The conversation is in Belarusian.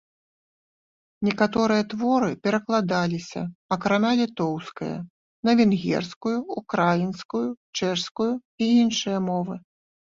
Некаторыя творы перакладаліся, акрамя літоўскае, на венгерскую, украінскую, чэшскую і іншыя мовы.